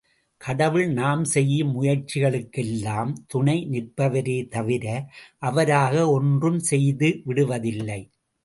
கடவுள் நாம் செய்யும் முயற்சிகளுக்கெல்லாம் துணை நிற்பவரே தவிர அவராக ஒன்றும் செய்து விடுவதில்லை.